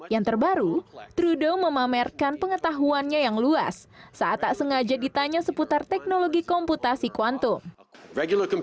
yang terbaru trude memamerkan pengetahuannya yang luas saat tak sengaja ditanya seputar teknologi komputasi kuantum